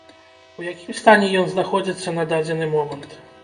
У якім стане ён знаходзіцца на дадзены момант?